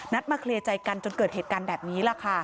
นัดมาคลียาใจกันจนเกิดเหตุการณ์แบบนี้